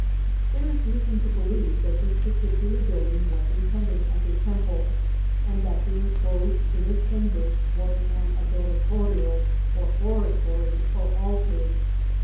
There is reason to believe that this particular build ing was intended as a temple, and that the enclosed inner chamber was an ad oratorio, or oratory, or altar.